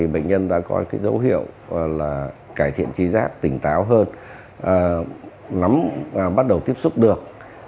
bệnh nhân đã có dấu hiệu cải thiện trí giác tỉnh táo hơn bắt đầu tiếp xúc được